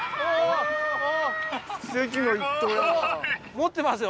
持ってますよ。